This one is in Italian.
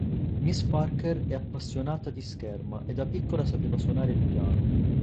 Miss Parker è appassionata di scherma e da piccola sapeva suonare il piano.